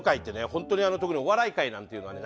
本当に特にお笑い界なんていうのはね